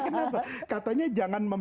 kenapa katanya jangan